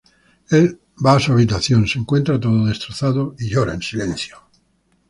Él va a su habitación, se encuentra todo destrozado y llora en silencio.